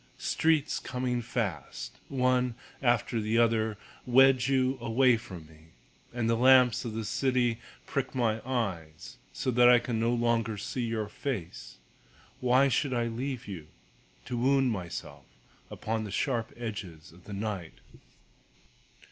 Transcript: Streets coming fast, One after the other, Wedge you away from me, And the lamps of the city prick my eyes So that I can no longer see your face. Why should I leave you, To wound myself upon the sharp edges of the night?